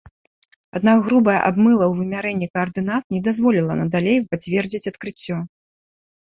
Аднак грубая абмыла ў вымярэнні каардынат не дазволіла надалей пацвердзіць адкрыццё.